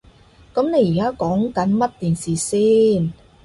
噉你而家講緊乜電視先？